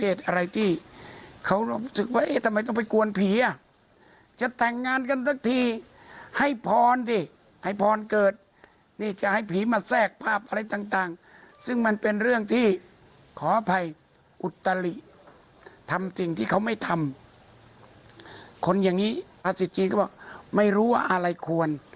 อุตลิทำสิ่งที่เขาไม่ทำคนอย่างนี้ภาษิตจีนก็บอกไม่รู้ว่าอะไรควร